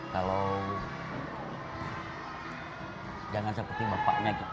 kalau jangan seperti bapak nek